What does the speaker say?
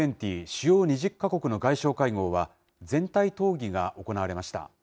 主要２０か国の外相会合は、全体討議が行われました。